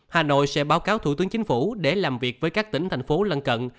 hà nội sẽ báo cáo thủ tướng chính phủ để làm việc với các tỉnh thành phố lân cận